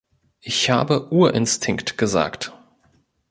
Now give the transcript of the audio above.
Ich habe 'Urinstinkt' gesagt.